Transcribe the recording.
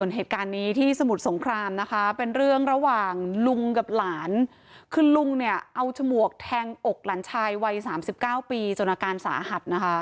เหตุการณ์นี้ที่สมุทรสงครามนะคะเป็นเรื่องระหว่างลุงกับหลานคือลุงเนี่ยเอาฉมวกแทงอกหลานชายวัยสามสิบเก้าปีจนอาการสาหัสนะคะ